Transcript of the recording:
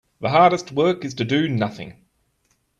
The hardest work is to do nothing.